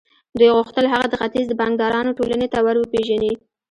دوی غوښتل هغه د ختیځ د بانکدارانو ټولنې ته ور وپېژني